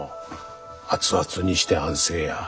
熱々にして安静や。